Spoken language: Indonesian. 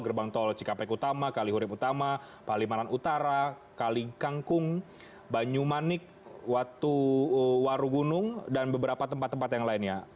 gerbang tol cikampek utama kalihurip utama palimanan utara kali kangkung banyumanik warugunung dan beberapa tempat tempat yang lainnya